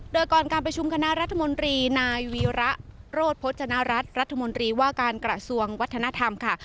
โดยก่อนการประชุมคณะรัฐมนตรีนายวีระโรธพจนรัฐรัฐรัฐมนตรีว่าการกระทรวงวัฒนธรรมค่ะ